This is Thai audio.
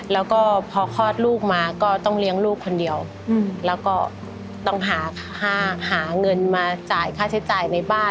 แล้วก็พอคลอดลูกมาก็ต้องเลี้ยงลูกคนเดียวแล้วก็ต้องหาเงินมาจ่ายค่าใช้จ่ายในบ้าน